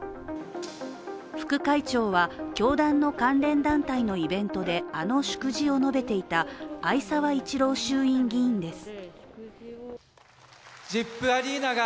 副会長は、教団の関連団体のイベントであの祝辞を述べていた逢沢一郎衆院議員です。